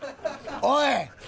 おい！